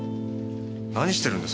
何してるんです？